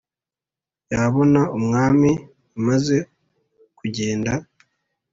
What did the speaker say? yabona umwami amaze kugenda,